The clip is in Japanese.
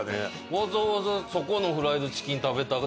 わざわざそこのフライドチキン食べたなるぐらい？